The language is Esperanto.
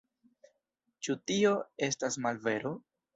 Ĉu tio estas malvero?